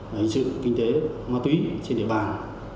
hình sự kinh tế ma túy trên địa bàn